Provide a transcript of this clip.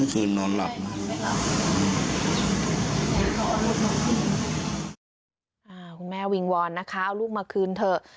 คุณแม่วิงวอนนะคะเอาลูกมาคืนเถอะ